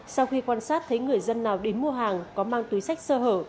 sau khi quan sát thấy người dân nào đến mua hàng có mang túi sách sơ hở